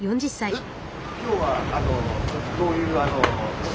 えっ？